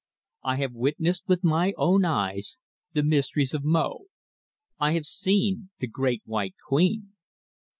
I have witnessed with my own eyes the mysteries of Mo. I have seen the Great White Queen!